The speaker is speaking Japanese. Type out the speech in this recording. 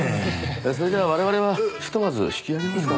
それじゃ我々はひとまず引き揚げますか。